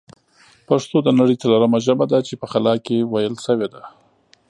پښتو د نړۍ ځلورمه ژبه ده چې په خلا کښې ویل شوې ده